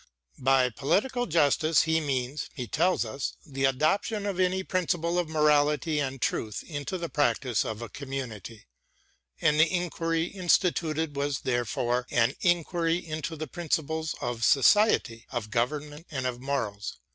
By Political Justice he means, he tells us, the adoption of any principle of morality and truth into the practice of a community, and the inquiry instituted was there fore an inquiry into the principles of society, of government, and of morals.